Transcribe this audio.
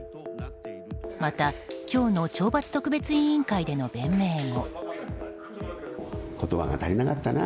また今日の懲罰特別委員会での弁明も。